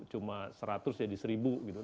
cuma seratus jadi seribu gitu